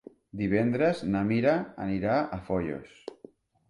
Divendres na Mira anirà a Foios.